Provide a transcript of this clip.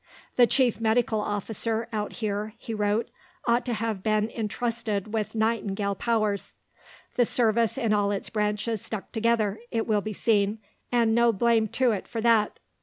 "The Chief Medical Officer out here," he wrote, "ought to have been intrusted with Nightingale powers." The Service in all its branches stuck together, it will be seen, and no blame to it for that!